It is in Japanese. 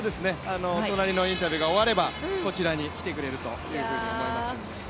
隣のインタビューが終わればこちらに来てくれると思いますので。